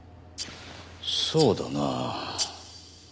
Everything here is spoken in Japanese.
そうだな。